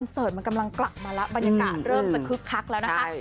เสิร์ตมันกำลังกลับมาแล้วบรรยากาศเริ่มจะคึกคักแล้วนะคะ